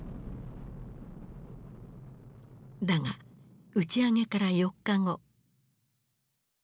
だが打ち上げから４日後。